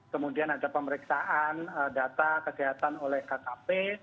kemudian ada pemeriksaan data kesehatan oleh kkp